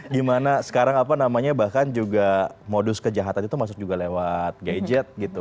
gimana sekarang apa namanya bahkan juga modus kejahatan itu masuk juga lewat gadget gitu